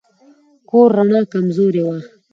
د کور رڼا کمزورې وه.